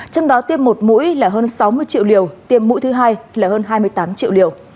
trong đó tiêm một mũi là hơn sáu mươi triệu liều tiêm mũi thứ hai là hơn hai mươi tám triệu liều